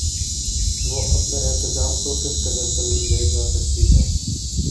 وہ اپنے احتجاج کو کس قدر طویل لے جا سکتی ہے؟